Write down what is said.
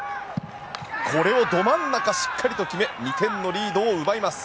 これをど真ん中しっかりと決め２点のリードを奪います。